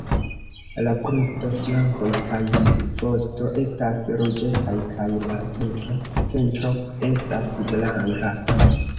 La brusto, flankoj kaj subvosto estas ruĝecaj, kaj la centra ventro estas blanka.